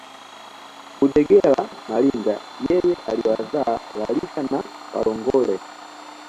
Mudegela Maliga yeye aliwazaa Lalika na Kalongole